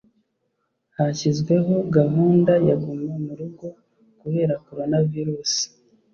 Hashyizweho gahunda ya guma murugo kubera corona virusi